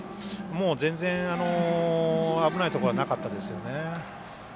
全然、危ないところはなかったですよね。